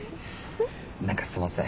何かすんません。